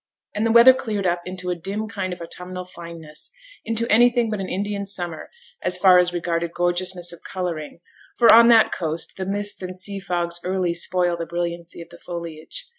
And the weather cleared up into a dim kind of autumnal fineness, into anything but an Indian summer as far as regarded gorgeousness of colouring, for on that coast the mists and sea fogs early spoil the brilliancy of the foliage.